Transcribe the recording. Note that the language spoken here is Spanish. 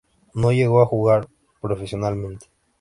No llegó a jugar profesionalmente.